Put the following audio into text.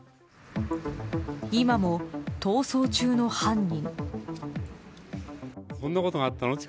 今も逃走中の犯人。